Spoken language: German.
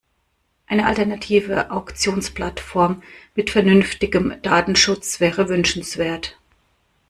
Eine alternative Auktionsplattform mit vernünftigem Datenschutz wäre wünschenswert.